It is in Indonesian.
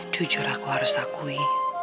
jujur aku harus akui